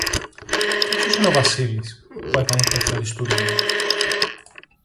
Και ποιος είναι ο Βασίλης, που έκανε τέτοιο αριστούργημα;